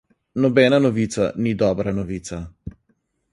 Nobena novica ni dobra novica.